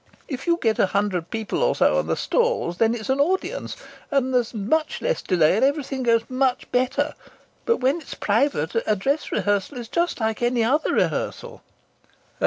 If you get a hundred or so people in the stalls then it's an audience, and there's much less delay and everything goes much better. But when it's private a dress rehearsal is just like any other rehearsal."